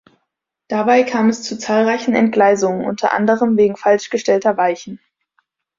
Dabei kam es zu zahlreichen Entgleisungen unter anderem wegen falsch gestellter Weichen.